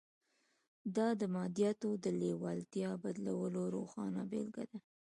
دا د مادیاتو د لېوالتیا بدلولو روښانه بېلګه ده